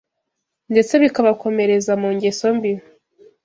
ndetse bikabakomereza mu ngeso mbi